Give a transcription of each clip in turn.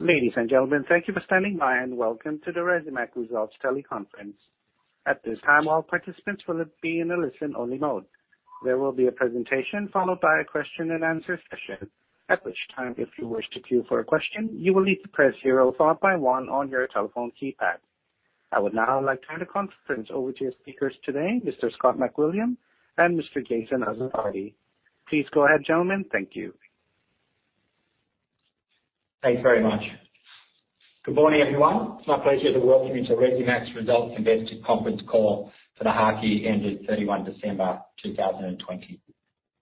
I would now like turn the conference over to your speakers today, Mr. Scott McWilliam and Mr. Jason Azzopardi. Please go ahead, gentlemen. Thank you. Thanks very much. Good morning, everyone. It's my pleasure to welcome you to Resimac's Results Investor Conference Call for the half year ended 31 December 2020.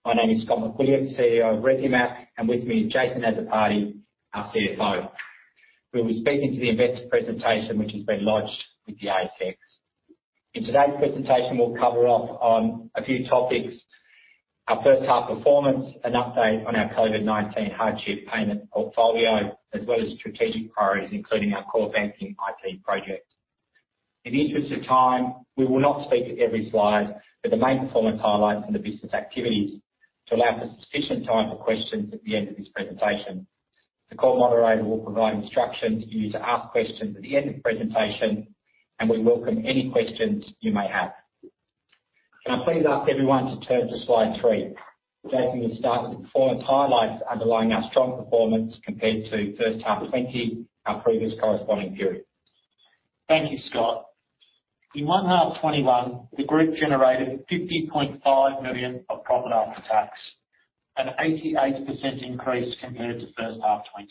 My name is Scott McWilliam, CEO of Resimac, and with me is Jason Azzopardi, our CFO. We'll be speaking to the investor presentation, which has been lodged with the ASX. In today's presentation, we'll cover off on a few topics: our first half performance, an update on our COVID-19 hardship payment portfolio, as well as strategic priorities, including our core banking IT project. In the interest of time, we will not speak to every slide, but the main performance highlights and the business activities to allow for sufficient time for questions at the end of this presentation. The call moderator will provide instructions for you to ask questions at the end of the presentation, and we welcome any questions you may have. Can I please ask everyone to turn to slide three. Jason will start with the performance highlights underlying our strong performance compared to first half 2020, our previous corresponding period. Thank you, Scott. In 1H 2021, the group generated 50.5 million of profit after tax, an 88% increase compared to first half 2020.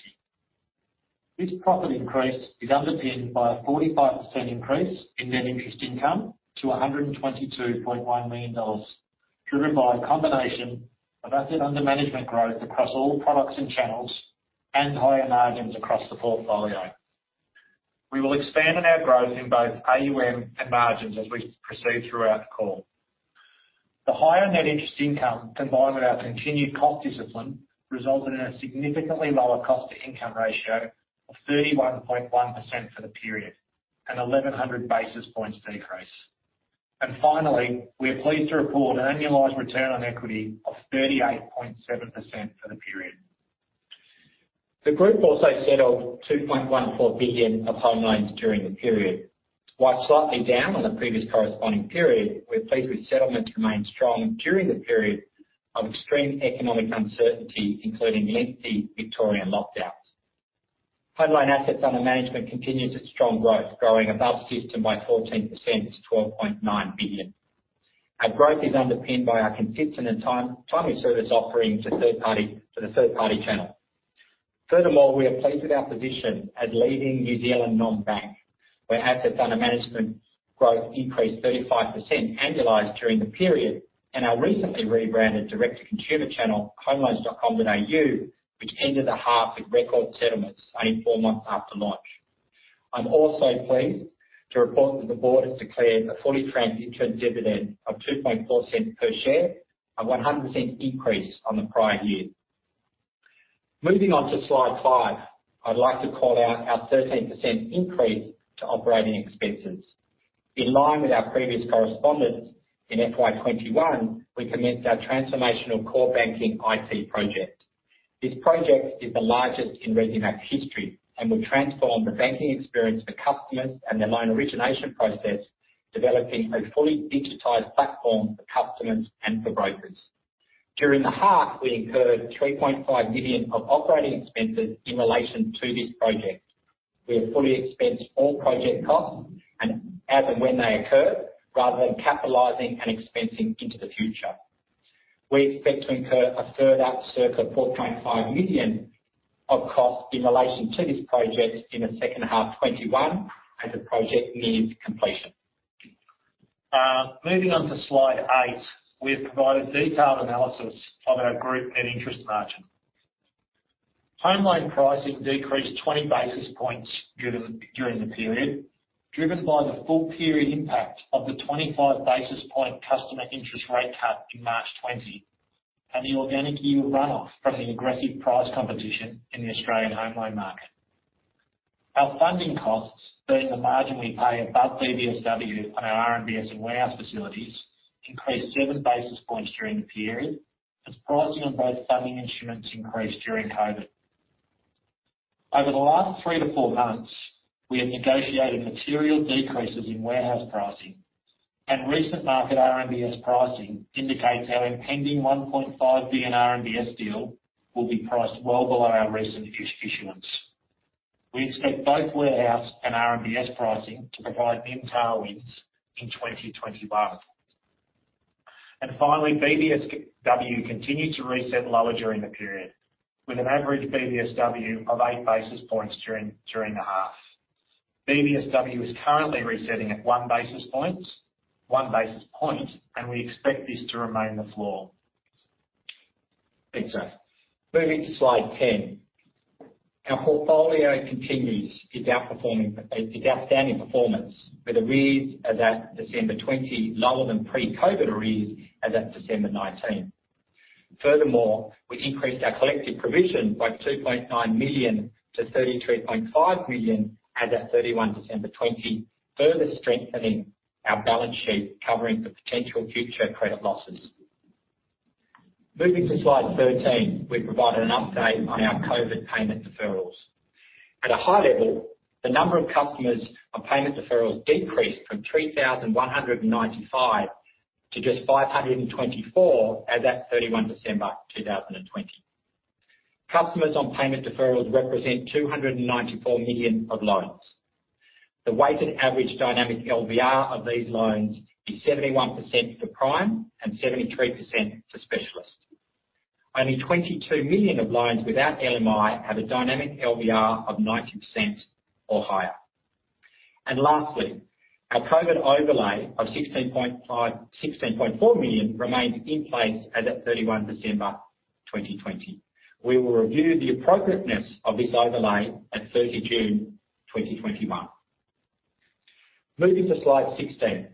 This profit increase is underpinned by a 45% increase in net interest income to 122.1 million dollars, driven by a combination of asset under management growth across all products and channels and higher margins across the portfolio. We will expand on our growth in both AUM and margins as we proceed throughout the call. The higher net interest income, combined with our continued cost discipline, resulted in a significantly lower cost to income ratio of 31.1% for the period, a 1,100 basis points decrease. Finally, we are pleased to report an annualized return on equity of 38.7% for the period. The group also settled 2.14 billion of home loans during the period. While slightly down on the previous corresponding period, we're pleased with settlements remaining strong during the period of extreme economic uncertainty, including lengthy Victorian lockdowns. Home loan assets under management continued its strong growth, growing above system by 14% to 12.9 billion. Our growth is underpinned by our consistent and timely service offering to third party, for the third party channel. We are pleased with our position as leading New Zealand non-bank, where assets under management growth increased 35% annualized during the period and our recently rebranded direct to consumer channel, homeloans.com.au, which ended the half with record settlements only four months after launch. I'm also pleased to report that the board has declared a fully franked interim dividend of 0.024 per share, a 100% increase on the prior year. Moving on to slide five. I'd like to call out our 13% increase to operating expenses. In line with our previous correspondence in FY 2021, we commenced our transformational core banking IT project. This project is the largest in Resimac's history and will transform the banking experience for customers and the loan origination process, developing a fully digitized platform for customers and for brokers. During the half, we incurred 3.5 million of operating expenses in relation to this project. We have fully expensed all project costs and as and when they occur, rather than capitalizing and expensing into the future. We expect to incur a further circa 4.5 million of costs in relation to this project in the second half 2021 as the project nears completion. Moving on to slide eight. We have provided detailed analysis of our group net interest margin. Home loan pricing decreased 20 basis points during the period, driven by the full period impact of the 25 basis point customer interest rate cut in March 2020 and the organic yield runoff from the aggressive price competition in the Australian home loan market. Our funding costs, being the margin we pay above BBSW on our RMBS and warehouse facilities, increased seven basis points during the period as pricing on both funding instruments increased during COVID. Over the last three to four months, we have negotiated material decreases in warehouse pricing and recent market RMBS pricing indicates our impending 1.5 billion RMBS deal will be priced well below our recent issuance. We expect both warehouse and RMBS pricing to provide tailwinds in 2021. Finally, BBSW continued to reset lower during the period, with an average BBSW of eight basis points during the half. BBSW is currently resetting at one basis point, and we expect this to remain the floor. Thanks, Jason. Moving to slide 10. Our portfolio continues its outstanding performance, with arrears as at December 20 lower than pre-COVID arrears as at December 19. We increased our collective provision by 2.9 million to 33.5 million as at 31 December 20, further strengthening our balance sheet covering for potential future credit losses. Moving to slide 13, we provided an update on our COVID payment deferrals. At a high level, the number of customers on payment deferrals decreased from 3,195 to just 524 as at 31 December 2020. Customers on payment deferrals represent 294 million of loans. The weighted average dynamic LVR of these loans is 71% for prime and 73% for specialist. Only 22 million of loans without LMI have a dynamic LVR of 90% or higher. Our COVID overlay of 16.4 million remains in place as at 31 December 2020. We will review the appropriateness of this overlay at 30 June 2021. Moving to slide 16.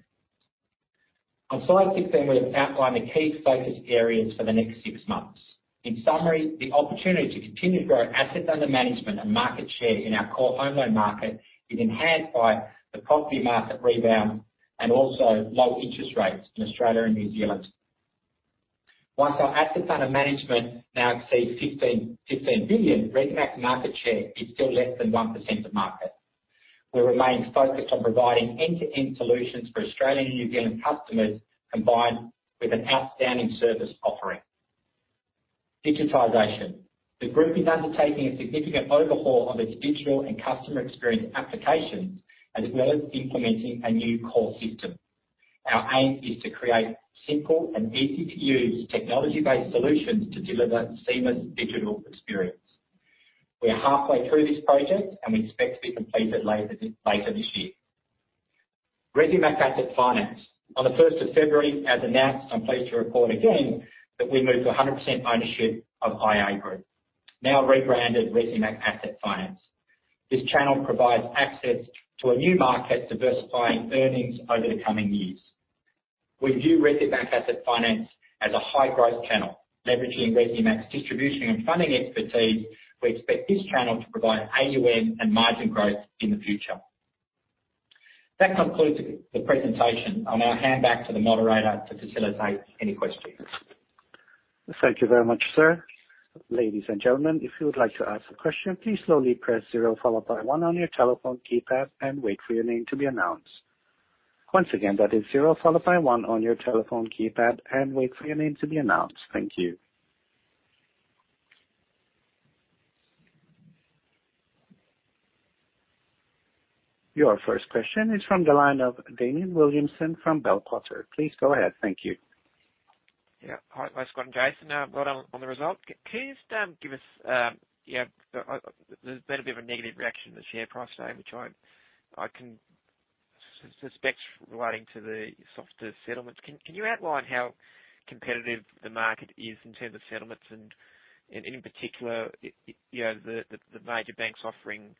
On slide 16, we outline the key focus areas for the next six months. In summary, the opportunity to continue to grow assets under management and market share in our core home loan market is enhanced by the property market rebound and also low interest rates in Australia and New Zealand. Whilst our assets under management now exceed 15 billion, Resimac market share is still less than 1% of market. We remain focused on providing end-to-end solutions for Australian and New Zealand customers, combined with an outstanding service offering. Digitization. The group is undertaking a significant overhaul of its digital and customer experience applications, as well as implementing a new core system. Our aim is to create simple and easy-to-use technology-based solutions to deliver a seamless digital experience. We are halfway through this project, and we expect to be completed later this year. Resimac Asset Finance. On the 1st of February, as announced, I'm pleased to report again that we moved to 100% ownership of IAF Group, now rebranded Resimac Asset Finance. This channel provides access to a new market, diversifying earnings over the coming years. We view Resimac Asset Finance as a high-growth channel, leveraging Resimac's distribution and funding expertise, we expect this channel to provide AUM and margin growth in the future. That concludes the presentation. I'll now hand back to the moderator to facilitate any questions. Thank you very much, sir. Thank you. Your first question is from the line of Damian Williamson from Bell Potter. Please go ahead. Thank you. Yeah. Hi. Hi, Scott and Jason. Well done on the result. Can you just give us, there's been a bit of a negative reaction to the share price today, which I can suspect relating to the softer settlements. Can you outline how competitive the market is in terms of settlements and, in particular, the major banks offering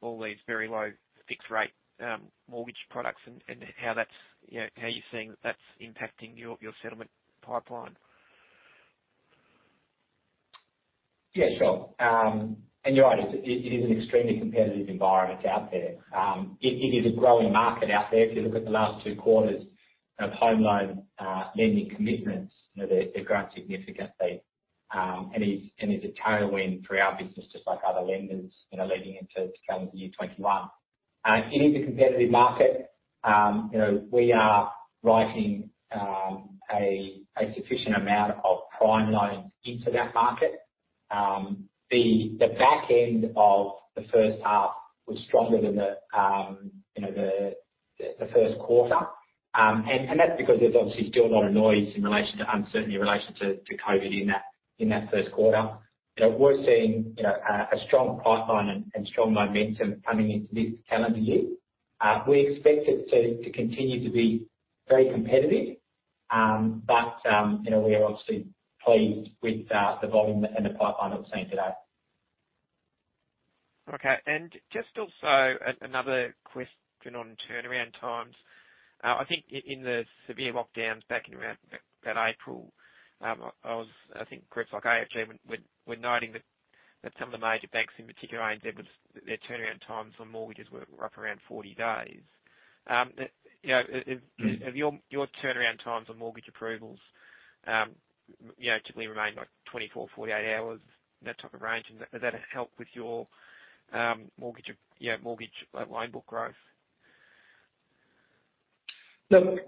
all these very low fixed rate mortgage products and how you're seeing that's impacting your settlement pipeline? Yeah, sure. You're right, it is an extremely competitive environment out there. It is a growing market out there. If you look at the last two quarters of home loan lending commitments, they've grown significantly. It is a tailwind for our business, just like other lenders, leading into calendar year 2021. It is a competitive market. We are writing a sufficient amount of prime loans into that market. The back end of the first half was stronger than the first quarter. That's because there's obviously still a lot of noise in relation to uncertainty in relation to COVID in that first quarter. We're seeing a strong pipeline and strong momentum coming into this calendar year. We expect it to continue to be very competitive, but we are obviously pleased with the volume and the pipeline that we're seeing today. Okay. Just also another question on turnaround times. I think in the severe lockdowns back in around that April, I think groups like AFG were noting that some of the major banks, in particular ANZ, their turnaround times on mortgages were up around 40 days. Have your turnaround times on mortgage approvals typically remained like 24, 48 hours, that type of range, and does that help with your mortgage loan book growth? Look,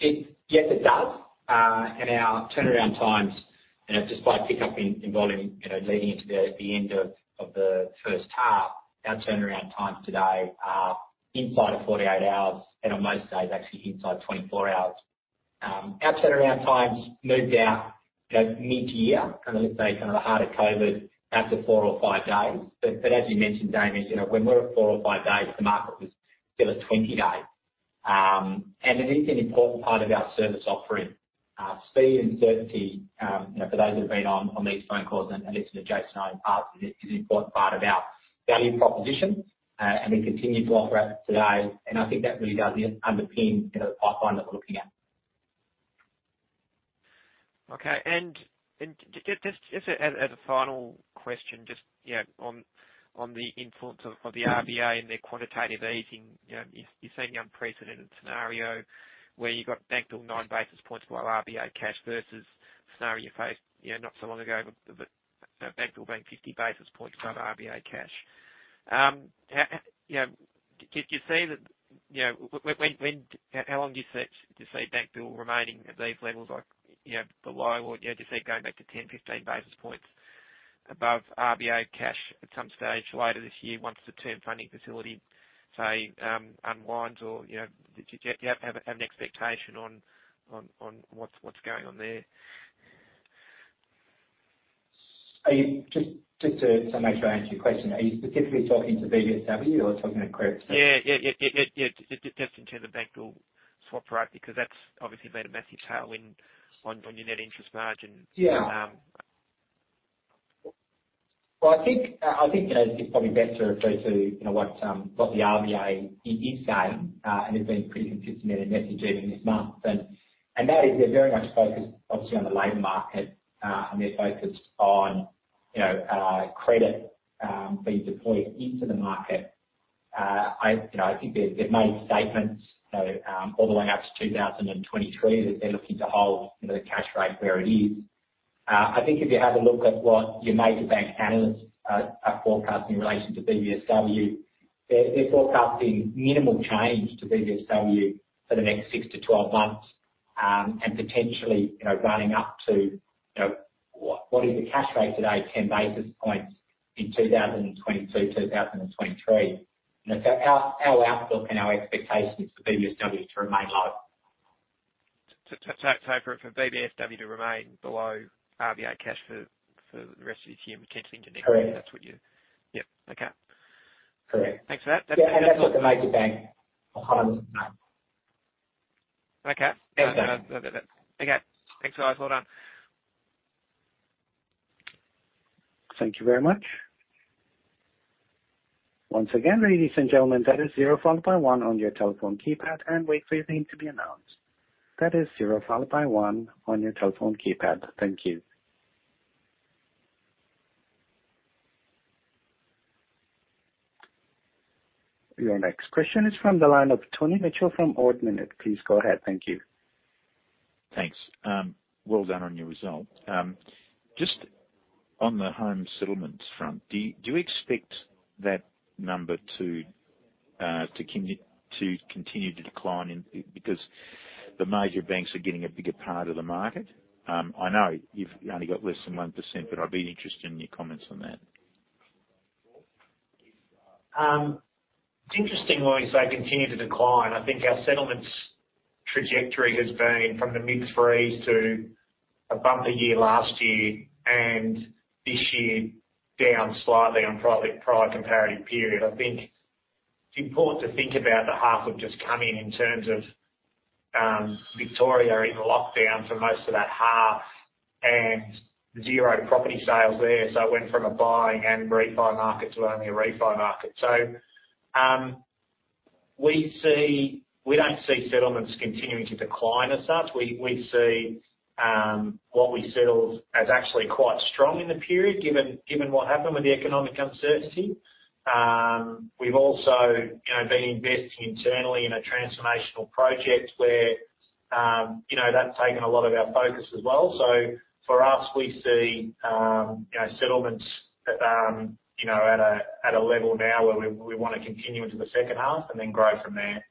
yes, it does. Our turnaround times, despite pickup in volume leading into the end of the first half, our turnaround times today are inside of 48 hours, and on most days, actually inside 24 hours. Our turnaround times moved out mid-year, the heart of COVID, out to four or five days. As you mentioned, Damian, when we're at four or five days, the market was still at 20 days. It is an important part of our service offering. Speed and certainty, for those who've been on these phone calls and listening to Jason and I in the past, is an important part of our value proposition, and we continue to offer it today. I think that really does underpin the pipeline that we're looking at. Okay. Just as a final question, just on the influence of the RBA and their quantitative easing, you're seeing unprecedented scenario where you've got bank bill nine basis points below RBA cash versus scenario you faced not so long ago, bank bill being 50 basis points above RBA cash. How long do you see bank bill remaining at these levels, like the low, or do you see it going back to 10, 15 basis points above RBA cash at some stage later this year once the Term Funding Facility, say, unwinds, or do you have an expectation on what's going on there? Just to make sure I answer your question, are you specifically talking to BBSW or talking about credit spread? Yeah. Just in terms of bank bill swap rate, because that's obviously made a massive tailwind on your net interest margin. Yeah. Well, I think it's probably best to refer to what the RBA is saying, and it's been pretty consistent in their messaging this month. That is, they're very much focused, obviously, on the labor market, and they're focused on credit being deployed into the market. I think they've made statements all the way up to 2023 that they're looking to hold the cash rate where it is. I think if you have a look at what your major bank analysts are forecasting in relation to BBSW, they're forecasting minimal change to BBSW for the next six to twelve months, and potentially running up to what is the cash rate today, 10 basis points in 2022, 2023. Our outlook and our expectation is for BBSW to remain low. For BBSW to remain below RBA cash for the rest of this year, potentially into next year. Correct. That's what you, yep. Okay. Correct. Thanks for that. That's what the major banks are highlighting. Okay. No worries. Okay. Thanks, guys. Well done. Thank you very much. Once again, ladies and gentlemen, Thank you. Your next question is from the line of Tony Mitchell from Ord Minnett. Please go ahead. Thank you. Thanks. Well done on your result. Just on the home settlements front, do you expect that number to continue to decline because the major banks are getting a bigger part of the market? I know you've only got less than 1%, but I'd be interested in your comments on that. It's interesting, well, as they continue to decline, I think our settlements trajectory has been from the mid threes to above last year, and this year down slightly on prior comparative period. I think it's important to think about the half we've just come in terms of Victoria in lockdown for most of that half and zero property sales there. It went from a buy and refi market to only a refi market. We don't see settlements continuing to decline as such. We see what we settled as actually quite strong in the period, given what happened with the economic uncertainty. We've also been investing internally in a transformational project where that's taken a lot of our focus as well. For us, we see settlements at a level now where we want to continue into the second half and grow from there.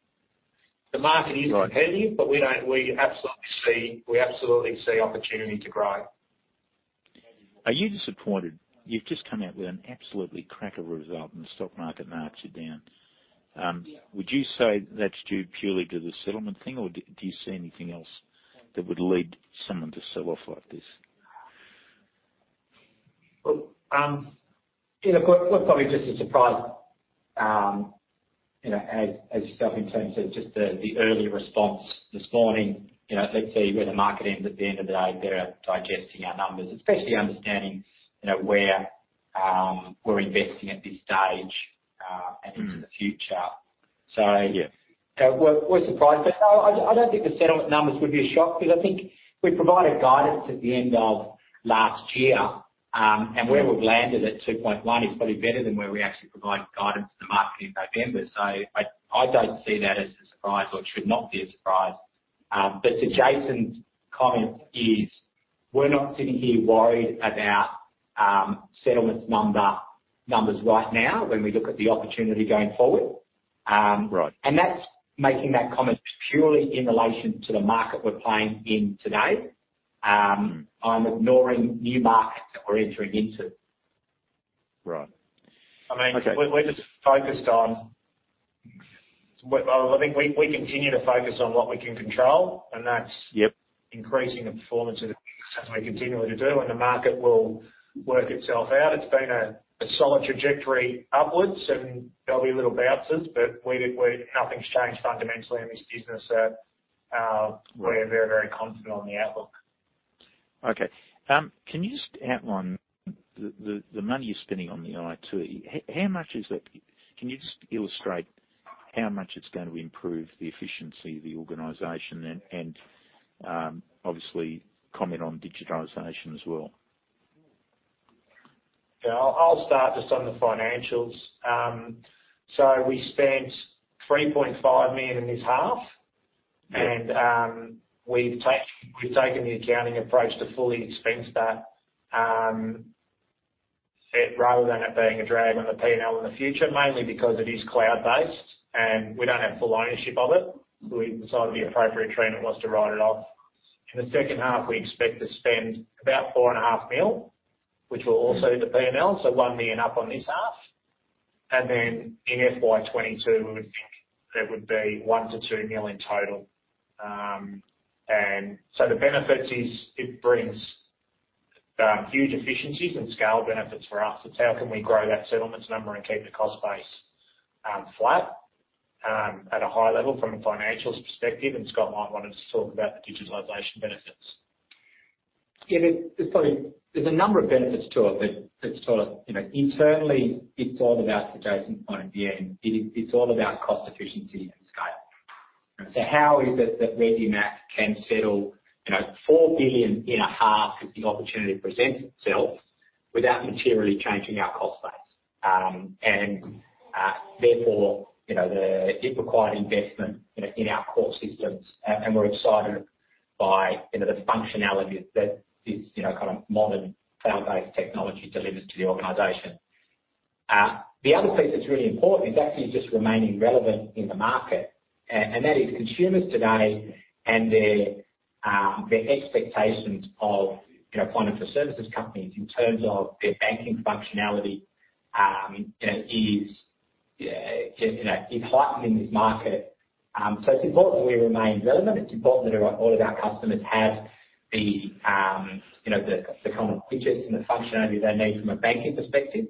The market is competitive, but we absolutely see opportunity to grow. Are you disappointed? You've just come out with an absolutely cracker result. The stock market marks you down. Would you say that's due purely to the settlement thing, or do you see anything else that would lead someone to sell off like this? Look, we're probably just as surprised as yourself in terms of just the early response this morning. Let's see where the market ends at the end of the day. They're digesting our numbers, especially understanding where we're investing at this stage and into the future. We're surprised. No, I don't think the settlement numbers would be a shock because I think we provided guidance at the end of last year. Where we've landed at 2.1 is probably better than where we actually provided guidance to the market in November. I don't see that as a surprise or it should not be a surprise. To Jason's comment is, we're not sitting here worried about settlements numbers right now when we look at the opportunity going forward. That's making that comment purely in relation to the market we're playing in today. I'm ignoring new markets that we're entering into. Right. Okay. I mean, we continue to focus on what we can control. Increasing the performance of the business as we continue to do, and the market will work itself out. It's been a solid trajectory upwards, and there'll be little bounces, but nothing's changed fundamentally in this business. We are very, very confident on the outlook. Okay. Can you just outline the money you're spending on the IT? How much is it? Can you just illustrate how much it's going to improve the efficiency of the organization, and obviously comment on digitalization as well. I'll start just on the financials. We spent 3.5 million in this half, and we've taken the accounting approach to fully expense that, rather than it being a drag on the P&L in the future, mainly because it is cloud-based and we don't have full ownership of it. We decided the appropriate treatment was to write it off. In the second half, we expect to spend about 4.5 million, which will also hit the P&L, so 1 million up on this half. In FY 2022, we would think that would be 1 million-2 million in total. The benefits is it brings huge efficiencies and scale benefits for us. It's how can we grow that settlements number and keep the cost base flat at a high level from a financials perspective. Scott might want to talk about the digitalization benefits. There's a number of benefits to it that internally, it's all about the Jason point at the end. It is all about cost efficiency and scale. How is it that Resimac can settle 4 billion in a half if the opportunity presents itself without materially changing our cost base. Therefore, it required investment in our core systems and we're excited by the functionality that this kind of modern cloud-based technology delivers to the organization. The other piece that's really important is actually just remaining relevant in the market. That is consumers today and their expectations of point-of-sale services companies in terms of their banking functionality is heightened in this market. It's important that we remain relevant. It's important that all of our customers have the kind of features and the functionality they need from a banking perspective.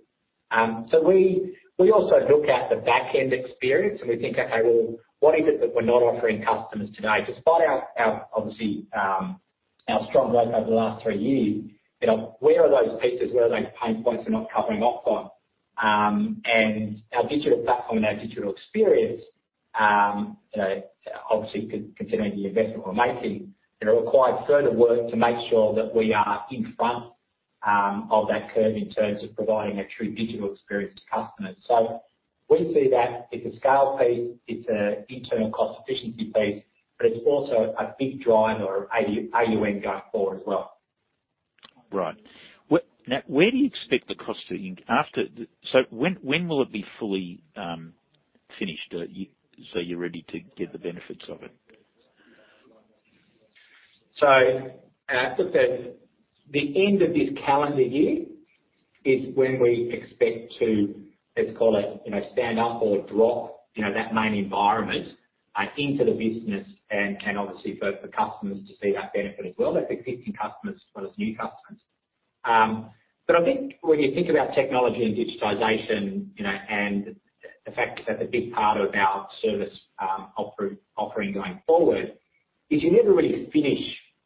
We also look at the back-end experience and we think, "Okay, well, what is it that we're not offering customers today?" Despite obviously our strong growth over the last three years, where are those pieces? Where are those pain points we're not covering off on? Our digital platform and our digital experience, obviously considering the investment we're making, required further work to make sure that we are in front of that curve in terms of providing a true digital experience to customers. We see that it's a scale piece, it's an internal cost efficiency piece, but it's also a big driver of AUM going forward as well. Right. Now, when will it be fully finished so you're ready to get the benefits of it? Look, the end of this calendar year is when we expect to, let's call it, stand up or drop that main environment into the business and obviously for customers to see that benefit as well, as existing customers as well as new customers. I think when you think about technology and digitization, and the fact that a big part of our service offering going forward is you never really finish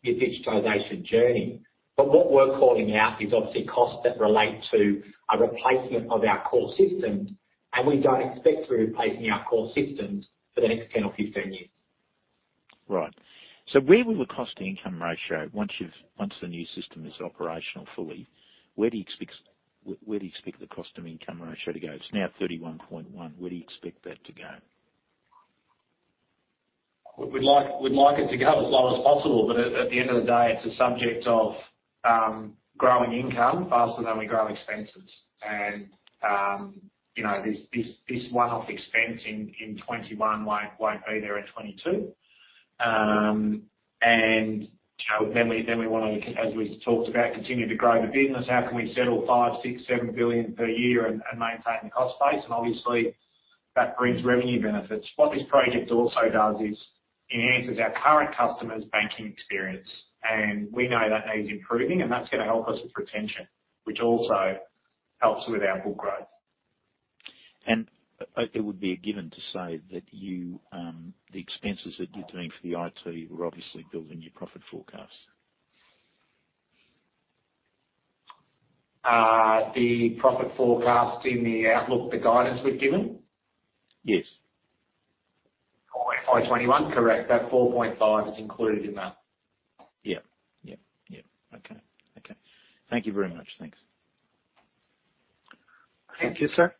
your digitization journey. What we're calling out is obviously costs that relate to a replacement of our core systems, and we don't expect to be replacing our core systems for the next 10 or 15 years. Right. Where will the cost-to-income ratio, once the new system is operational fully, where do you expect the cost-to-income ratio to go? It's now 31.1%. Where do you expect that to go? We'd like it to go as low as possible. At the end of the day, it's a subject of growing income faster than we grow expenses. This one-off expense in 2021 won't be there in 2022. Then we want to, as we talked about, continue to grow the business. How can we settle 5 billion, 6 billion, 7 billion per year and maintain the cost base? Obviously, that brings revenue benefits. What this project also does is enhances our current customers' banking experience. We know that needs improving, and that's going to help us with retention, which also helps with our book growth. It would be a given to say that the expenses that you're doing for the IT were obviously built in your profit forecast. The profit forecast in the outlook, the guidance we've given? Yes. For FY 2021, correct. That 4.5 is included in that. Yeah. Okay. Thank you very much. Thanks. Thank you, sir.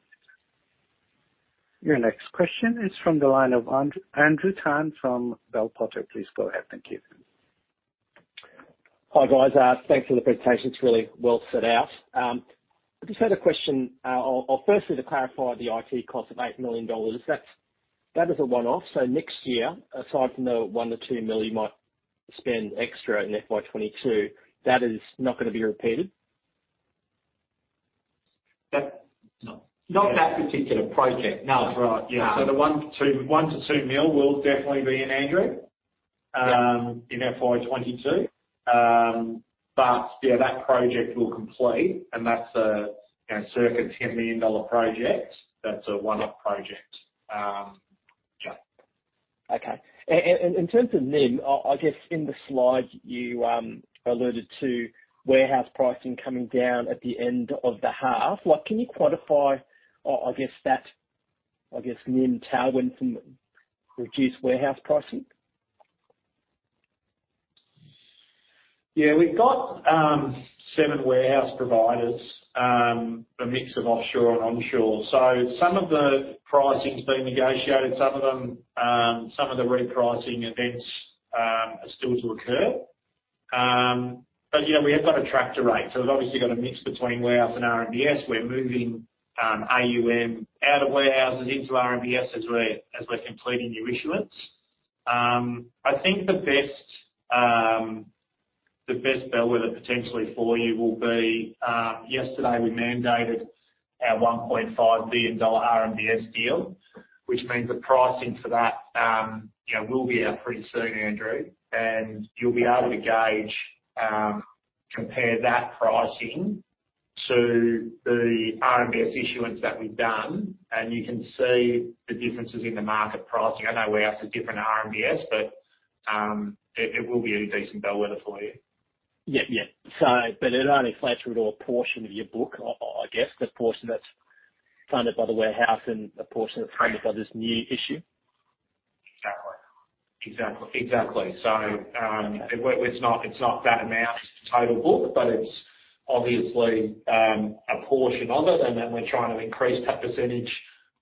Your next question is from the line of Andrew Tan from Bell Potter. Please go ahead. Thank you. Hi, guys. Thanks for the presentation. It's really well set out. I just had a question. Firstly, to clarify the IT cost of 8 million dollars. That is a one-off. Next year, aside from the one to two million AUD you might spend extra in FY 2022, that is not going to be repeated? No. Not that particular project, no. Right. Yeah. The 1 million-2 million will definitely be in, Andrew. In FY 2022. Yeah, that project will complete, and that's a circa 10 million dollar project. That's a one-off project. Okay. In terms of NIM, I guess in the slide you alluded to warehouse pricing coming down at the end of the half. Can you quantify, I guess that NIM tailwind from reduced warehouse pricing? Yeah. We've got seven warehouse providers, a mix of offshore and onshore. Some of the pricing's been negotiated, some of the repricing events are still to occur. We have got a tracker rate, we've obviously got a mix between warehouse and RMBS. We're moving AUM out of warehouses into RMBS as we're completing new issuance. I think the best bellwether potentially for you will be, yesterday we mandated our AUD 1.5 billion RMBS deal, which means the pricing for that will be out pretty soon, Andrew. You'll be able to gauge, compare that pricing to the RMBS issuance that we've done, and you can see the differences in the market pricing. I know warehouse is different to RMBS, but it will be a decent bellwether for you. Yeah. It only flags through to a portion of your book, I guess. The portion that's funded by the warehouse and a portion that's funded by this new issue. Exactly. It's not that amount total book, but it's obviously a portion of it, we're trying to increase that percentage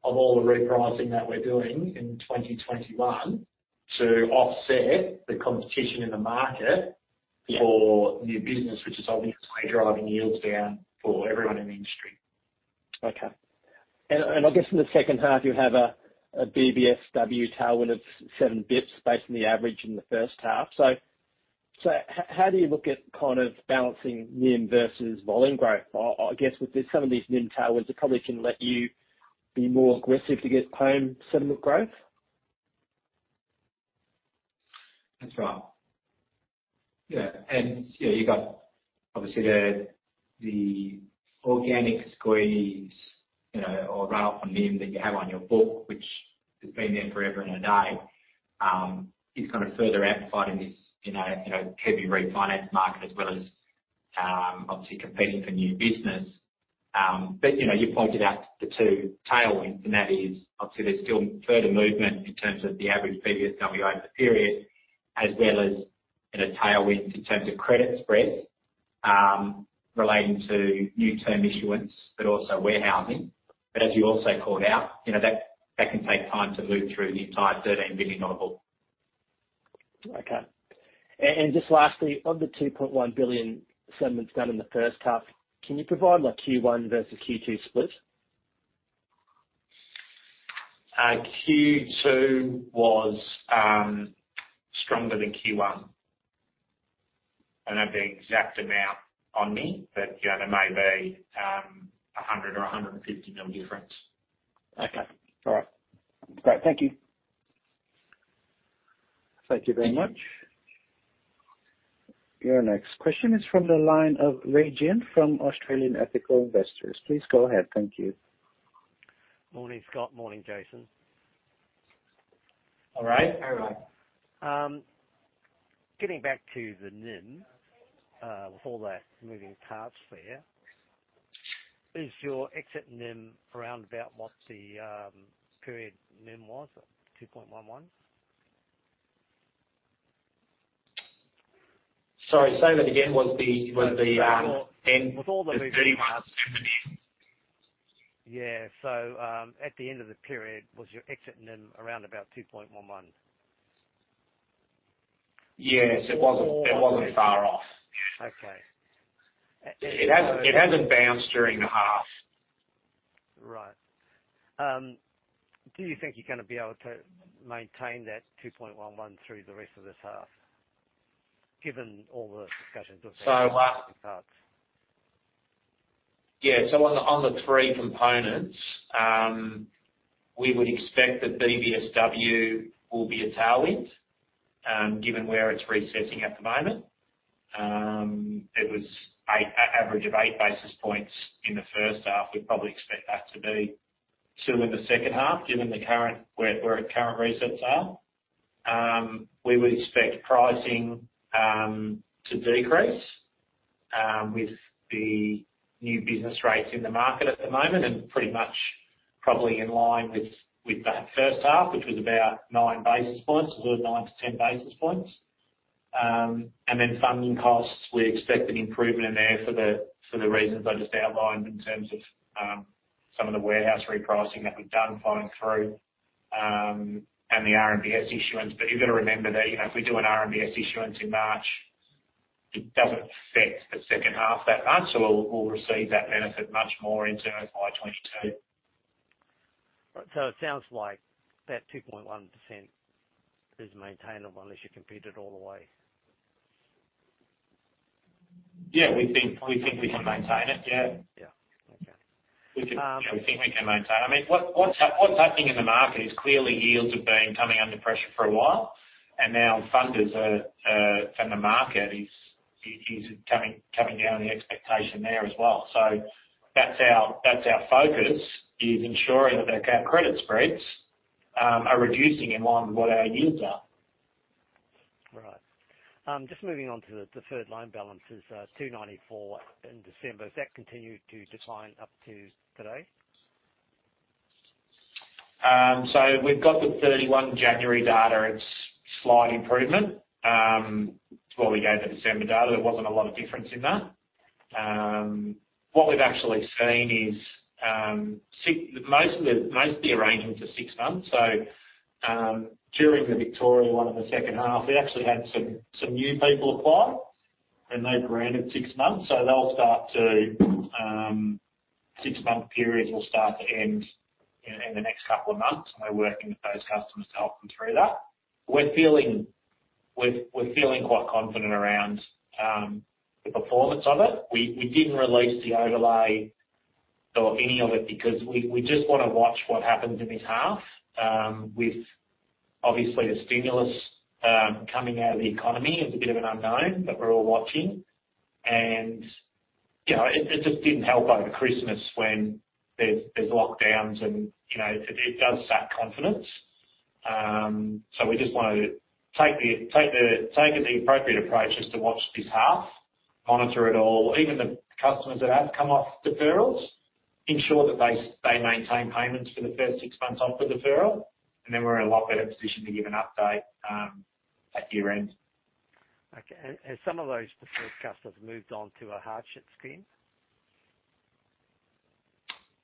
of all the repricing that we're doing in 2021 to offset the competition in the market for new business, which is obviously driving yields down for everyone in the industry. Okay. I guess in the second half, you have a BBSW tailwind of seven basis points based on the average in the first half. How do you look at kind of balancing NIM versus volume growth? I guess with some of these NIM tailwinds, it probably can let you be more aggressive to get home settlement growth. That's right. Yeah. You've got obviously the organic squeeze or runoff from NIM that you have on your book, which has been there forever and a day. It's kind of further amplified in this heavy refinance market as well as obviously competing for new business. You pointed out the two tailwinds, and that is obviously there's still further movement in terms of the average BBSW over the period, as well as a tailwind in terms of credit spreads, relating to new term issuance, but also warehousing. As you also called out, that can take time to move through the entire 13 billion dollar of book. Okay. Just lastly, of the 2.1 billion settlements done in the first half, can you provide a Q1 versus Q2 split? Q2 was stronger than Q1. I don't have the exact amount on me, but there may be 100 mil or 150 mil difference. Okay. All right. Great. Thank you. Thank you very much. Your next question is from the line of Ray Gin from Australian Ethical Investment. Please go ahead. Thank you. Morning, Scott. Morning, Jason. All right. Getting back to the NIM, with all the moving parts there, is your exit NIM around about what the period NIM was at 2.11%? Sorry, say that again. With all the moving parts. Yeah. At the end of the period, was your exit NIM around about 2.11? Yes. It wasn't far off. Okay. It hasn't bounced during the half. Right. Do you think you're going to be able to maintain that 2.11 through the rest of this half, given all the discussions we've had past? On the three components, we would expect that BBSW will be a tailwind, given where it's resetting at the moment. It was average of eight basis points in the first half. We probably expect that to be two in the second half, given where its current resets are. We would expect pricing to decrease, with the new business rates in the market at the moment, and pretty much probably in line with that first half, which was about nine basis points. We heard 9 to 10 basis points. Funding costs, we expect an improvement in there for the reasons I just outlined in terms of some of the warehouse repricing that we've done flowing through, and the RMBS issuance. You've got to remember that, if we do an RMBS issuance in March, it doesn't affect the second half that much. We'll receive that benefit much more into FY 2022. Right. It sounds like that 2.11 is maintainable unless you compete it all the way. Yeah. We think we can maintain it. Yeah. Yeah. Okay. We think we can maintain. What's happening in the market is clearly yields have been coming under pressure for a while, now funders and the market is coming down the expectation there as well. That's our focus, is ensuring that our credit spreads are reducing in line with what our yields are. Right. Just moving on to the deferred loan balances, 294 in December. Has that continued to decline up to today? We've got the 31 January data. It's a slight improvement. Before we gave the December data, there wasn't a lot of difference in that. What we've actually seen is most of the arrangements are six months. During the Victoria one in the second half, we actually had some new people apply, and they were granted 6 months. 6-month periods will start to end in the next couple of months, and we're working with those customers to help them through that. We're feeling quite confident around the performance of it. We didn't release the overlay or any of it because we just want to watch what happens in this half. With obviously the stimulus coming out of the economy, it's a bit of an unknown, but we're all watching. It just didn't help over Christmas when there's lockdowns, and it does sap confidence. We just want to take the appropriate approach, just to watch this half, monitor it all. Even the customers that have come off deferrals, ensure that they maintain payments for the first six months off the deferral, and then we're in a lot better position to give an update at year-end. Okay. Some of those deferred customers moved on to a hardship scheme?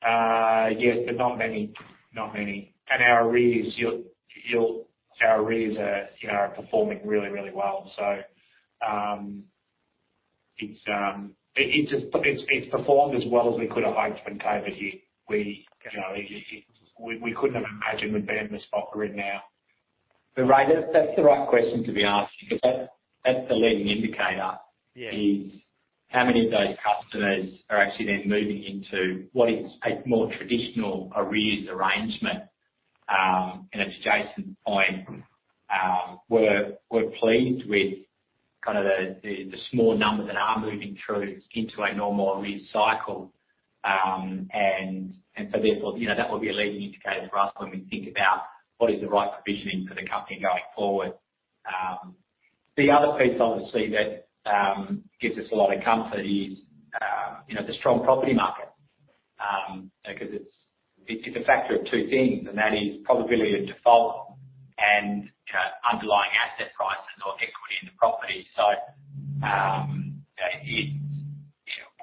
Yes. Not many. Not many. Our arrears are performing really, really well. It's performed as well as we could have hoped for in a COVID year. We couldn't have imagined we'd be in the spot we're in now. Ray, that's the right question to be asking because that's the leading indicator is how many of those customers are actually then moving into what is a more traditional arrears arrangement. As Jason pointed, we're pleased with kind of the small numbers that are moving through into a normal arrears cycle. Therefore, that will be a leading indicator for us when we think about what is the right provisioning for the company going forward. The other piece, obviously, that gives us a lot of comfort is the strong property market. It's a factor of two things, and that is probability of default and underlying asset prices or equity in the property.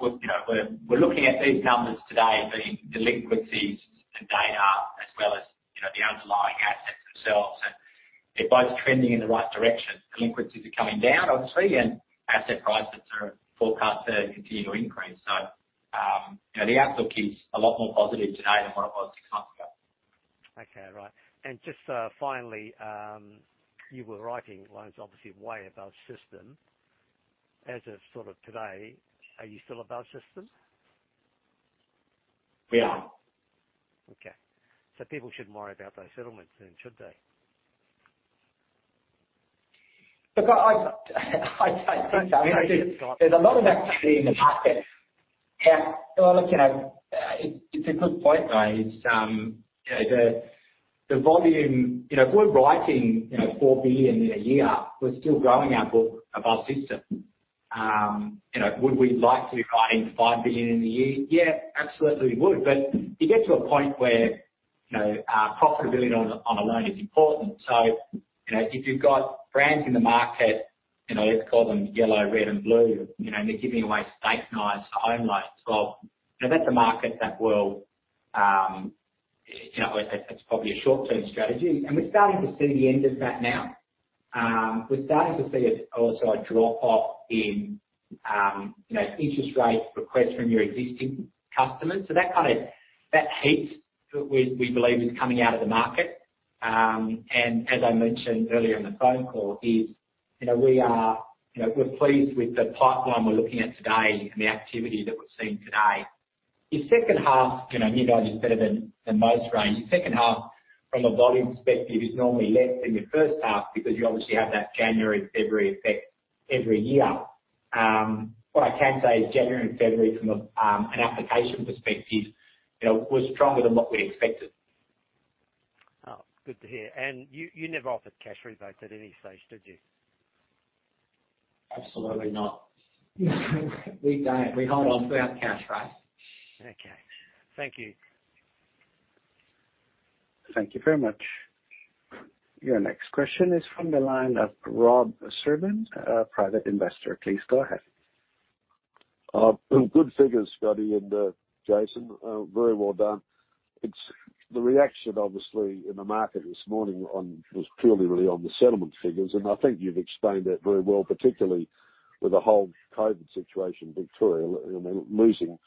We're looking at these numbers today, the delinquencies, the data, as well as the underlying assets themselves, and they're both trending in the right direction. Delinquencies are coming down, obviously, and asset prices are forecast to continue to increase. The outlook is a lot more positive today than what it was six months ago. Okay. Right. Just finally, you were writing loans obviously way above system. As of sort of today, are you still above system? We are. Okay. People shouldn't worry about those settlements then, should they? I don't think so. There's a lot of activity in the market. It's a good point, though. If we're writing 4 billion in a year, we're still growing our book above system. Would we like to be writing 5 billion in a year? Yeah, absolutely, we would. You get to a point where profitability on a loan is important. If you've got brands in the market, let's call them yellow, red and blue, and they're giving away steak knives for home loans, well, that's a market that's probably a short-term strategy. We're starting to see the end of that now. We're starting to see also a drop-off in interest rate requests from your existing customers. That heat, we believe, is coming out of the market. As I mentioned earlier in the phone call is, we're pleased with the pipeline we're looking at today and the activity that we're seeing today. Your second half, you guys are better than most, Ray. Your second half from a volume perspective is normally less than your first half because you obviously have that January, February effect every year. What I can say is January and February from an application perspective, was stronger than what we expected. Oh, good to hear. You never offered cash rebates at any stage, did you? Absolutely not. We don't. We hold on to our cash, Ray. Okay. Thank you. Thank you very much. Your next question is from the line of Rob Serbin, a private investor. Please go ahead. Good figures, Scotty and Jason. Very well done. The reaction, obviously, in the market this morning was purely really on the settlement figures, and I think you've explained that very well, particularly with the whole COVID situation in Victoria. Losing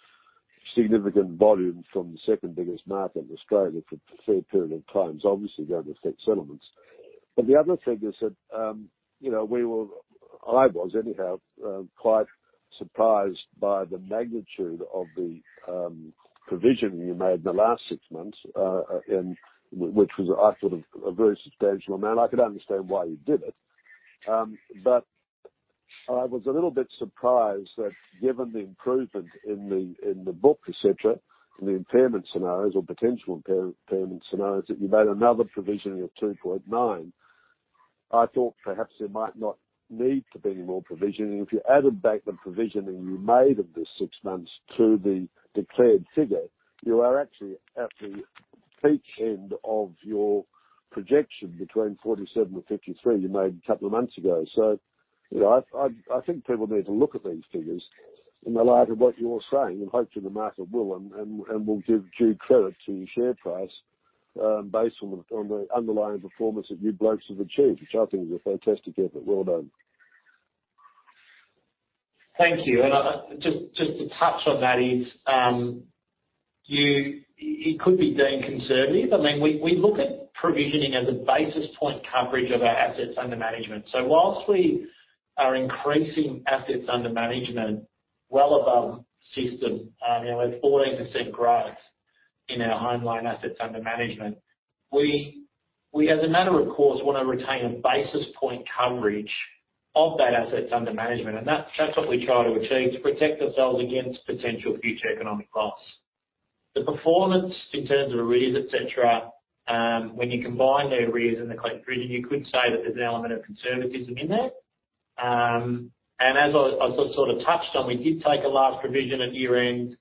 significant volume from the second biggest market in Australia for a fair period of time is obviously going to affect settlements. The other thing is that, I was anyhow quite surprised by the magnitude of the provision you made in the last six months, and which was, I thought, a very substantial amount. I could understand why you did it. I was a little bit surprised that given the improvement in the book, et cetera, in the impairment scenarios or potential impairment scenarios, that you made another provision of 2.9. I thought perhaps there might not need to be any more provisioning. If you added back the provisioning you made of this six months to the declared figure, you are actually at the peak end of your projection between 47 and 53 you made two months ago. I think people need to look at these figures in the light of what you're saying, and hopefully the market will and will give due credit to your share price, based on the underlying performance that you blokes have achieved, which I think is a fantastic effort. Well done. Thank you. Just to touch on that is, it could be deemed conservative. We look at provisioning as a basis point coverage of our assets under management. Whilst we are increasing assets under management well above system, with 14% growth in our home loan assets under management, we, as a matter of course, want to retain a basis point coverage of that assets under management. That's what we try to achieve to protect ourselves against potential future economic loss. The performance in terms of arrears, et cetera, when you combine their arrears and the collective provision, you could say that there's an element of conservatism in there. As I sort of touched on, we did take a large provision at year-end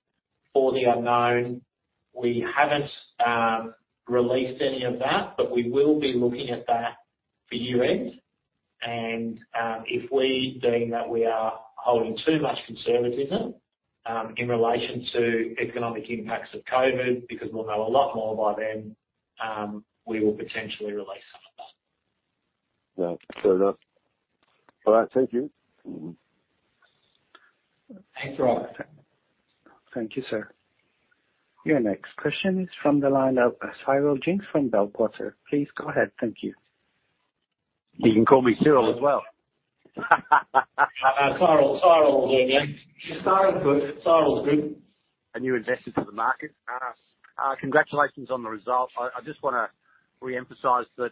for the unknown. We haven't released any of that, but we will be looking at that for year-end. If we deem that we are holding too much conservatism, in relation to economic impacts of COVID, because we'll know a lot more by then, we will potentially release some of that. Yeah. Fair enough. All right. Thank you. Thanks, Rob. Thank you, sir. Your next question is from the line of Cyril Jinks from Bell Potter. Please go ahead. Thank you. You can call me Cyril as well. Cyril, yeah. Cyril's good. A new investor to the market. Congratulations on the result. I just want to reemphasize that,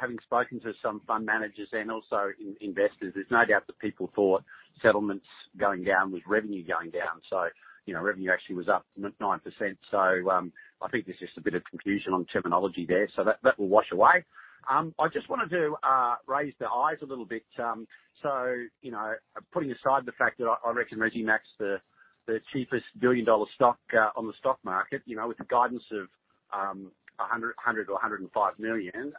having spoken to some fund managers and also investors, there's no doubt that people thought settlements going down was revenue going down. Revenue actually was up 9%. I think there's just a bit of confusion on terminology there. That will wash away. I just wanted to raise the eyes a little bit. Putting aside the fact that I reckon Resimac's the cheapest billion-dollar stock on the stock market, with the guidance of, 100 million or 105 million.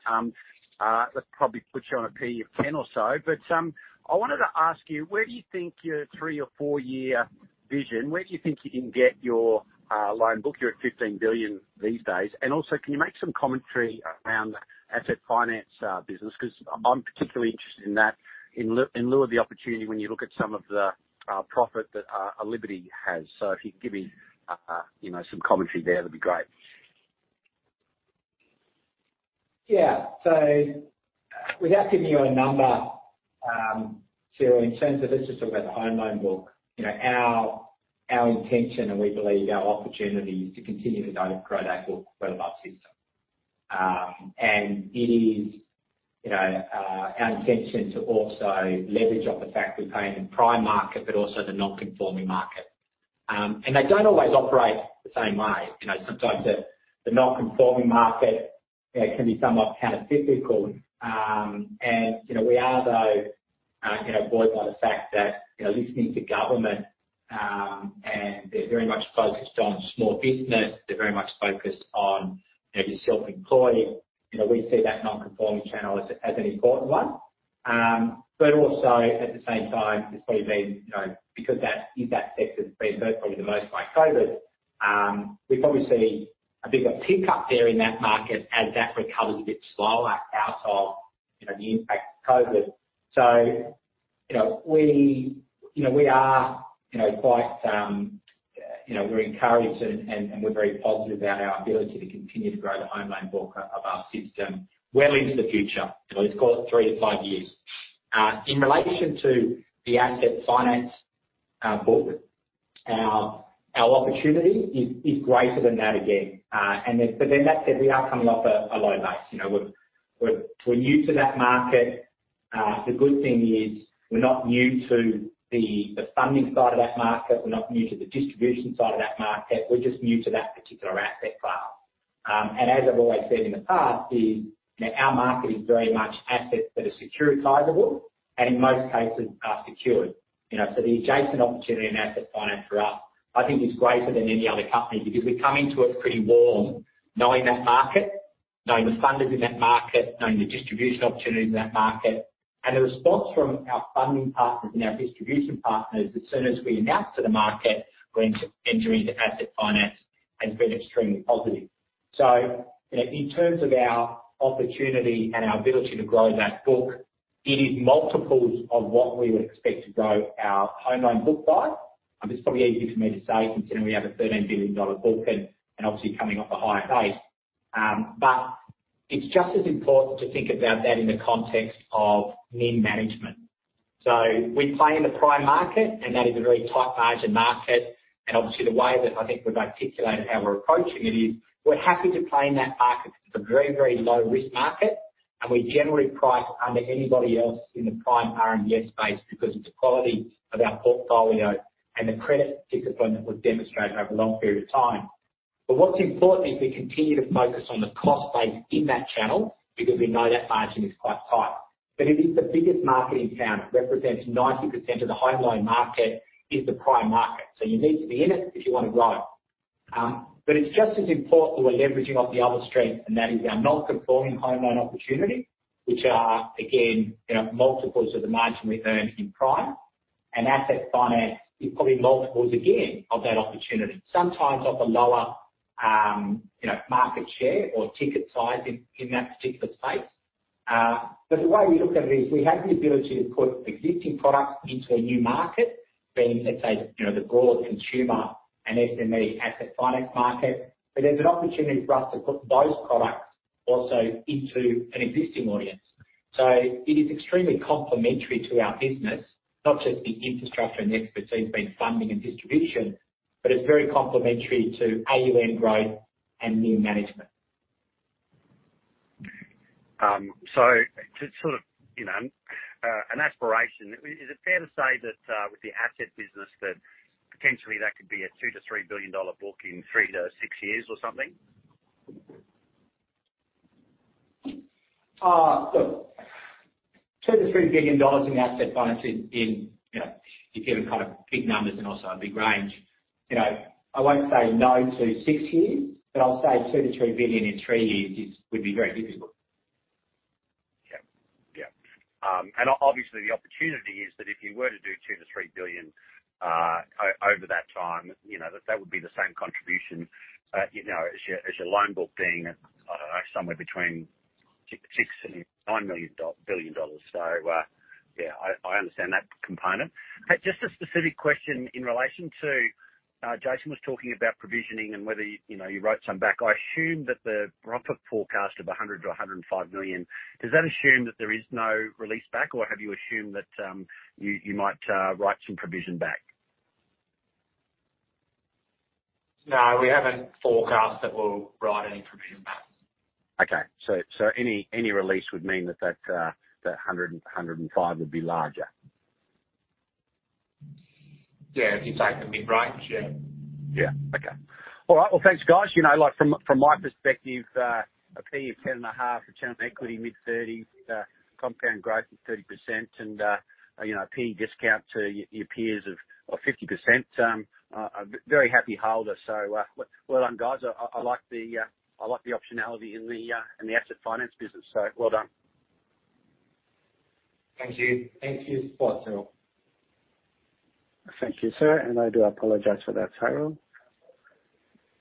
That probably puts you on a PE of 10 or so. I wanted to ask you, where do you think your three or four-year vision, where do you think you can get your loan book? You're at 15 billion these days. Also, can you make some commentary around the asset finance business? I'm particularly interested in that in lieu of the opportunity when you look at some of the profit that Liberty has. If you can give me some commentary there, that'd be great. Yeah. Without giving you a number, Cyril, in terms of, let's just talk about the home loan book. Our intention, and we believe our opportunity is to continue to grow that book well above system. It is our intention to also leverage off the fact we play in the prime market, but also the non-conforming market. They don't always operate the same way. Sometimes the non-conforming market can be somewhat countercyclical. We are though buoyed by the fact that listening to government, and they're very much focused on small business, they're very much focused on the self-employed. We see that non-conforming channel as an important one. At the same time, it's probably been, because that is that sector that's been hurt probably the most by COVID, we probably see a bigger pickup there in that market as that recovers a bit slower out of the impact of COVID. We're encouraged and we're very positive about our ability to continue to grow the home loan book of our system well into the future. Let's call it three to five years. In relation to the asset finance book, our opportunity is greater than that again. That said, we are coming off a low base. We're new to that market. The good thing is we're not new to the funding side of that market. We're not new to the distribution side of that market. We're just new to that particular asset class. As I've always said in the past is, our market is very much assets that are securitizable and in most cases are secured. The adjacent opportunity in asset finance for us, I think, is greater than any other company because we're coming to it pretty warm, knowing that market, knowing the funders in that market, knowing the distribution opportunities in that market. The response from our funding partners and our distribution partners as soon as we announced to the market we're entering into asset finance has been extremely positive. In terms of our opportunity and our ability to grow that book, it is multiples of what we would expect to grow our home loan book by. It's probably easy for me to say considering we have an 13 billion dollar book and obviously coming off a higher base. It's just as important to think about that in the context of NIM management. We play in the prime market, and that is a very tight margin market. Obviously the way that I think we've articulated how we're approaching it is, we're happy to play in that market. It's a very, very low risk market, and we generally price under anybody else in the prime RMBS space because of the quality of our portfolio and the credit discipline that we've demonstrated over a long period of time. What's important is we continue to focus on the cost base in that channel because we know that margin is quite tight. It is the biggest market in town. It represents 90% of the home loan market, is the prime market. You need to be in it if you want to grow. It is just as important we are leveraging off the other strengths, and that is our non-conforming home loan opportunity, which are again, multiples of the margin we earn in prime, and asset finance is probably multiples again of that opportunity. Sometimes off a lower market share or ticket size in that particular space. The way we look at it is we have the ability to put existing products into a new market, being, let's say, the broader consumer and SME asset finance market. There is an opportunity for us to put those products also into an existing audience. It is extremely complementary to our business, not just the infrastructure and the expertise being funding and distribution, but it is very complementary to AUM growth and NIM management. To sort of an aspiration, is it fair to say that, with the asset business, that potentially that could be an 2 billion-3 billion dollar book in three to six years or something? Look, 2 billion-3 billion dollars in asset finance is, you're giving kind of big numbers and also a big range. I won't say no to six years, I'll say 2 billion-3 billion in three years would be very difficult. Yeah. Obviously the opportunity is that if you were to do 2 billion-3 billion over that time, that that would be the same contribution, as your loan book being, I don't know, somewhere between 6 billion-9 billion dollars. Yeah, I understand that component. Just a specific question in relation to Jason was talking about provisioning and whether you wrote some back. I assume that the bumper forecast of 100 million-105 million, does that assume that there is no release back, or have you assumed that you might write some provision back? No, we haven't forecast that we'll write any provision back. Okay. Any release would mean that that 105 would be larger. Yeah, if you take the mid-range, yeah. Yeah. Okay. All right. Well, thanks, guys. From my perspective, a PE of 10.5, return on equity mid-30s, compound growth of 30% and, a PE discount to your peers of 50%. I'm a very happy holder. Well done, guys. I like the optionality in the asset finance business. Well done. Thank you. Thank you, Cyril. Thank you, sir, and I do apologize for that, Cyril.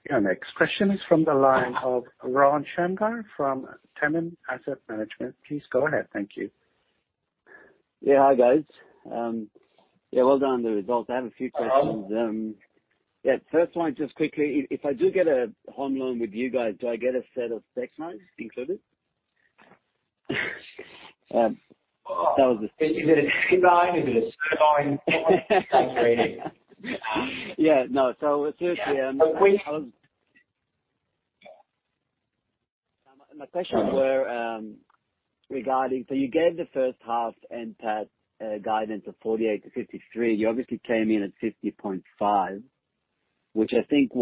Your next question is from the line of Ron Shamgar from TAMIM Asset Management. Please go ahead. Thank you. Yeah. Hi, guys. Yeah, well done on the results. I have a few questions. First one, just quickly, if I do get a home loan with you guys, do I get a set of steak knives included? Is it a deal, though? Is it a viable rate?? Yeah, no. My questions were regarding So you gave the first half NPAT guidance of 48 million-53 million. You obviously came in at 50.5 million, which I think it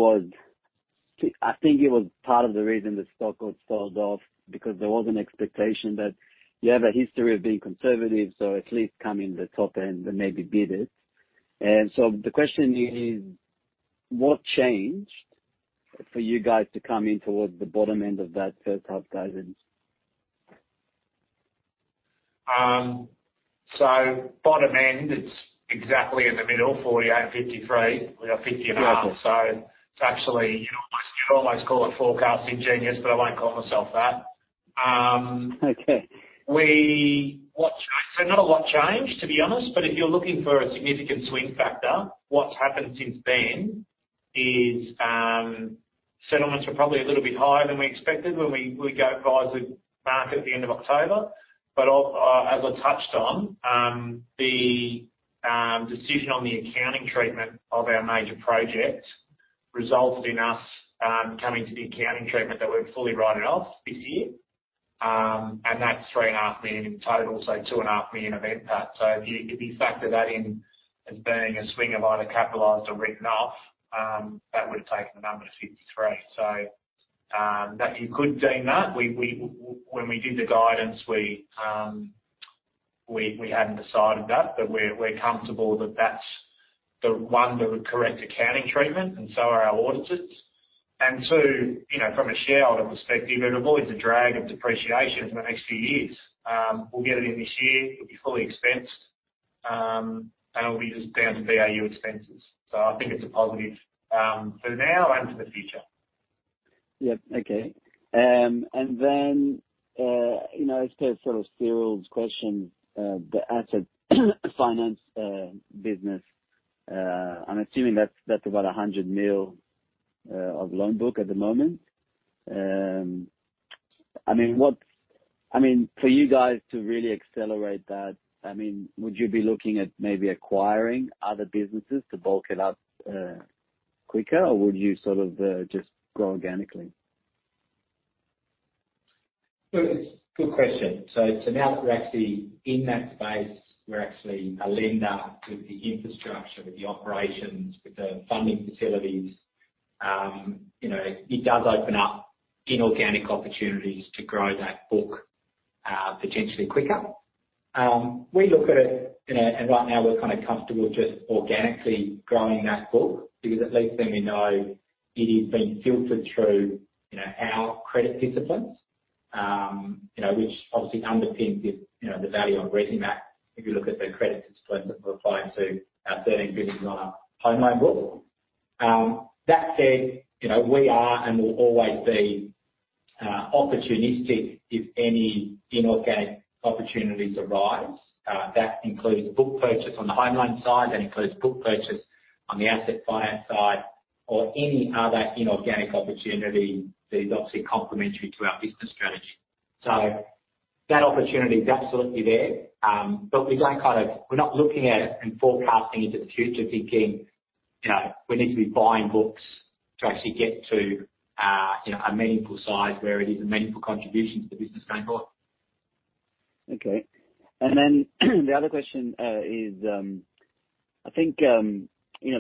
was part of the reason the stock got sold off because there was an expectation that you have a history of being conservative, so at least come in the top end and maybe beat it. The question is, what changed for you guys to come in towards the bottom end of that first half guidance? Bottom end, it is exactly in the middle, 48 and 53. We got 50 and a half. It's actually, you'd almost call it forecasting genius, but I won't call myself that. Not a lot changed, to be honest. If you're looking for a significant swing factor, what's happened since then is settlements were probably a little bit higher than we expected when we advised the market at the end of October. As I touched on, the decision on the accounting treatment of our major project resulted in us coming to the accounting treatment that we've fully written off this year. That's three and a half million in total, so two and a half million of impact. If you factor that in as being a swing of either capitalized or written off, that would have taken the number to AUD 53. You could deem that. When we did the guidance, we hadn't decided that, but we're comfortable that that's the one, the correct accounting treatment and so are our auditors. Two, from a shareholder perspective, it avoids the drag of depreciation for the next few years. We'll get it in this year. It'll be fully expensed, and it'll be just down to BAU expenses. I think it's a positive, for now and for the future. Yeah. Okay. Then, as per sort of Cyril's question, the asset finance business I'm assuming that's about 100 mil of loan book at the moment. For you guys to really accelerate that, would you be looking at maybe acquiring other businesses to bulk it up quicker, or would you sort of just grow organically? Good question. Now that we're actually in that space, we're actually a lender with the infrastructure, with the operations, with the funding facilities, it does open up inorganic opportunities to grow that book potentially quicker. We look at it, and right now we're kind of comfortable just organically growing that book because it lets them know it is being filtered through our credit disciplines, which obviously underpins the value of Resimac, if you look at the credit discipline that we're applying to our 13 billion home loan book. That said, we are and will always be opportunistic if any inorganic opportunities arise. That includes book purchase on the home loan side, that includes book purchase on the asset finance side, or any other inorganic opportunity that is obviously complementary to our business strategy. That opportunity is absolutely there. We're not looking at it and forecasting into the future, thinking we need to be buying books to actually get to a meaningful size where it is a meaningful contribution to the business going forward. Okay. The other question is, I think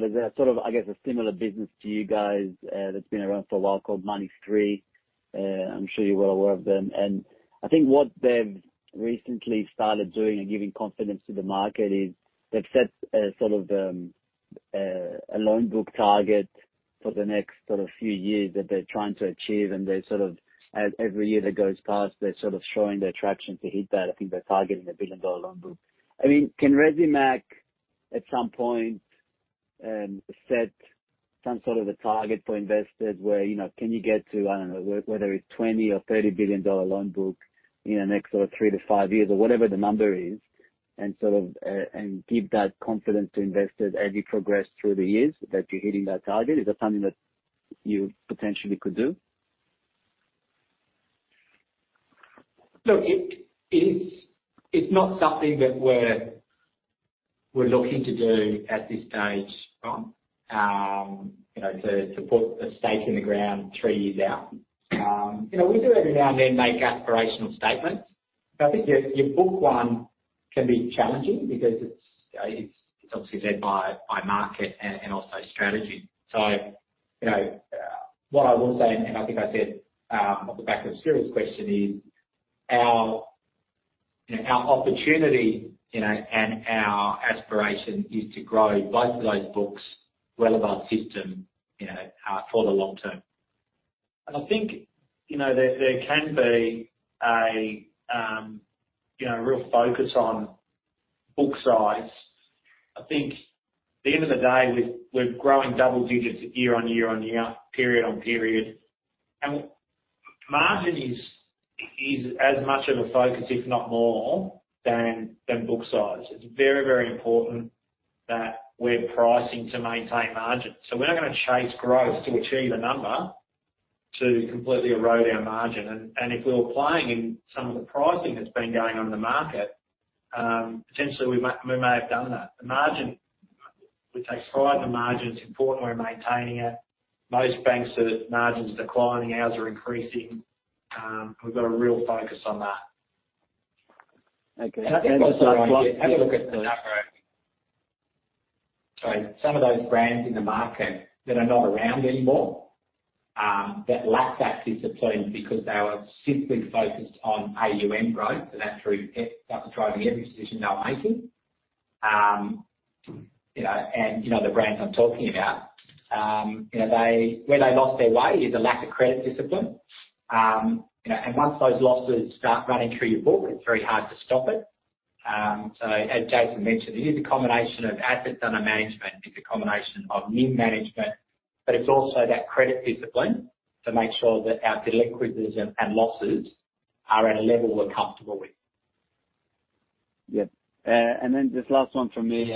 there's a sort of, I guess, a similar business to you guys that's been around for a while called Money3. I'm sure you're well aware of them. I think what they've recently started doing and giving confidence to the market is they've set a sort of a loan book target for the next sort of few years that they're trying to achieve, and every year that goes past, they're sort of showing their traction to hit that. I think they're targeting a billion-dollar loan book. Can Resimac at some point set some sort of a target for investors where, can you get to, I don't know, whether it's 20 billion or 30 billion dollar loan book in the next sort of three to five years or whatever the number is, and give that confidence to investors as you progress through the years that you're hitting that target? Is that something that you potentially could do? Look, it's not something that we're looking to do at this stage, Ron, to put a stake in the ground three years out. We do every now and then make aspirational statements. I think your book one can be challenging because it's obviously led by market and also strategy. What I will say, and I think I said off the back of Cyril's question, is our opportunity and our aspiration is to grow both of those books relative to system for the long term. I think there can be a real focus on book size. I think at the end of the day, we're growing double digits year on year on year, period on period. Margin is as much of a focus, if not more, than book size. It's very, very important that we're pricing to maintain margin. We're not going to chase growth to achieve a number to completely erode our margin. If we were playing in some of the pricing that's been going on in the market, potentially we may have done that. The margin, we take pride in the margin. It's important we're maintaining it. Most banks' margins declining, ours are increasing. We've got a real focus on that. I think if you have a look at the number of some of those brands in the market that are not around anymore, that lacked that discipline because they were simply focused on AUM growth, and that's driving every decision they were making. You know the brands I'm talking about. Where they lost their way is a lack of credit discipline. Once those losses start running through your book, it's very hard to stop it. As Jason mentioned, it is a combination of assets under management. It's a combination of NIM management, but it's also that credit discipline to make sure that our delinquencies and losses are at a level we're comfortable with. Yeah. This last one from me.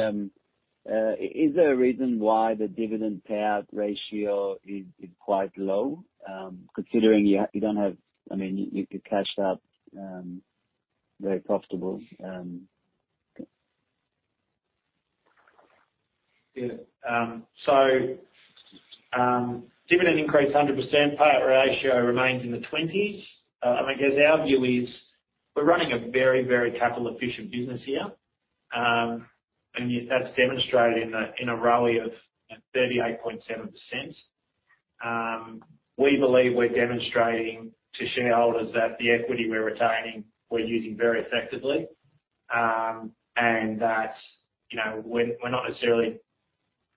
Is there a reason why the dividend payout ratio is quite low, considering your cashflow are very profitable? Yeah. Dividend increase 100%, payout ratio remains in the 20s. I guess our view is we're running a very, very capital efficient business here. That's demonstrated in a ROE of 38.7%. We believe we're demonstrating to shareholders that the equity we're retaining, we're using very effectively. That we're not necessarily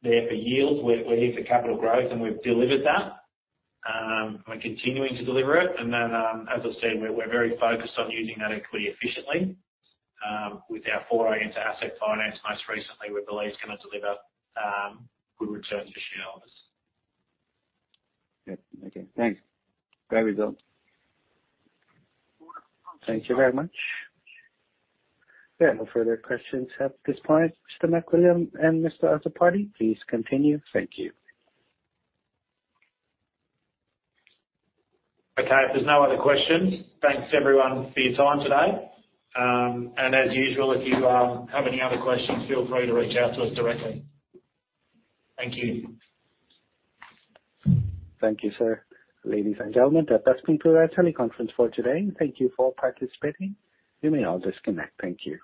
there for yield. We're here for capital growth, and we've delivered that. We're continuing to deliver it. As I said, we're very focused on using that equity efficiently. With our foray into asset finance most recently, we believe is going to deliver good returns to shareholders. Yeah. Okay. Thanks. Great result. Thank you very much. Yeah, no further questions at this point, Mr. McWilliam and Mr. Azzopardi. Please continue. Thank you. Okay. If there's no other questions, thanks everyone for your time today. As usual, if you have any other questions, feel free to reach out to us directly. Thank you. Thank you, sir. Ladies and gentlemen, that does conclude our teleconference for today. Thank you for participating. You may all disconnect. Thank you.